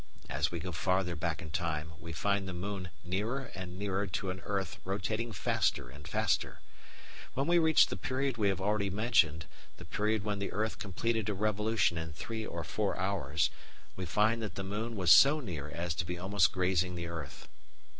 As we go farther back in time we find the moon nearer and nearer to an earth rotating faster and faster. When we reach the period we have already mentioned, the period when the earth completed a revolution in three or four hours, we find that the moon was so near as to be almost grazing the earth.